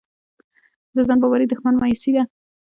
د ځان باورۍ دښمن مایوسي ده.